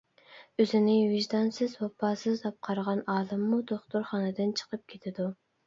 ئۆزىنى «ۋىجدانسىز، ۋاپاسىز» دەپ قارىغان ئالىممۇ دوختۇرخانىدىن چىقىپ كېتىدۇ.